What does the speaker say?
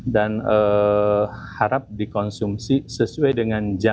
dan harap dikonsumsi sesuai dengan jemaah